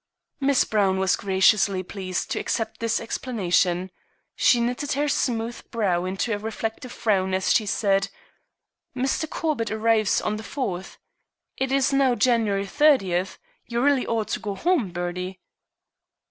Miss Browne was graciously pleased to accept this explanation. She knitted her smooth brow into a reflective frown as she said: "Mr. Corbett arrives on the 4th. It is now January 30th. You really ought to go home, Bertie."